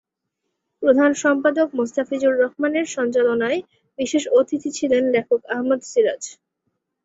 প্রধান সম্পাদক মোস্তাফিজুর রহমানের সঞ্চালনায় বিশেষ অতিথি ছিলেন লেখক আহমদ সিরাজ।